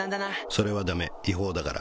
「それはダメ違法だから」